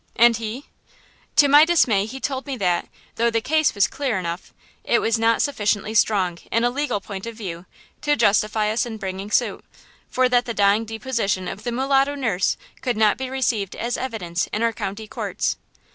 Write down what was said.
"And he–" "To my dismay he told me that, though the case was clear enough, it was not sufficiently strong, in a legal point of view, to justify us in bringing suit; for that the dying deposition of the mulatto nurse could not be received as evidence in our county courts."